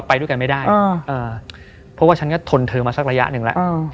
เพราะว่าฉันก็ทนเธอมาสักระยะนึงแล้ว